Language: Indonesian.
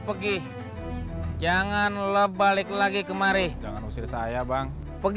pergi janganlah balik lagi kemari jangan usir saya bang pergi